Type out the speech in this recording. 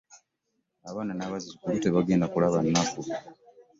Abaana n'abazzukulu tebagenda kulaba nnaku.